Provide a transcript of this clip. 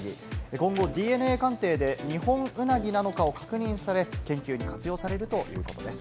今後、ＤＮＡ鑑定でニホンウナギなのかを確認され、研究に活用されるということです。